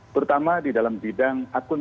pertama di dalam bidang akuntabilitas